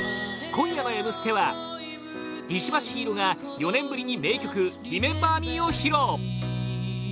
今夜の「Ｍステ」は石橋陽彩が４年ぶりに名曲「リメンバー・ミー」を披露